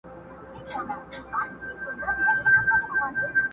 په هر رنګ کي څرګندیږي له شیطانه یمه ستړی؛